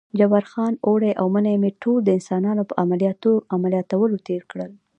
جبار خان: اوړی او منی مې ټول د انسانانو په عملیاتولو تېر کړل.